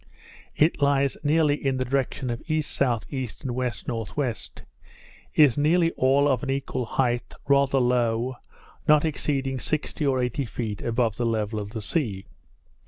It lies nearly in the direction of E.S.E. and W.N.W.; is nearly all of an equal height, rather low, not exceeding sixty or eighty feet above the level of the sea.